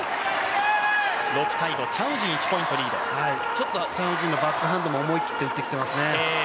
ちょっとチャン・ウジンのバックハンドも思い切って打ってきてますね。